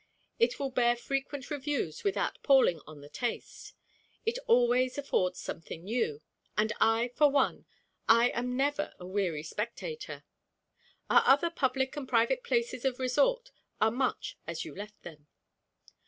It will bear frequent reviews without palling on the taste. It always affords something new; and, for one, I am never a weary spectator. Our other public and private places of resort are much as you left them.